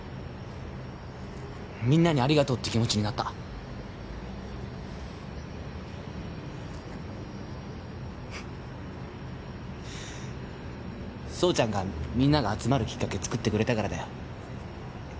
みんなにありがとうって気持ちになった蒼ちゃんがみんなが集まるきっかけ作ってくれたからだよ